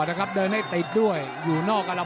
ฝ่ายทั้งเมืองนี้มันตีโต้หรืออีโต้